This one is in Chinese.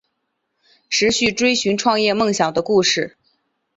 持续追寻创业梦想的故事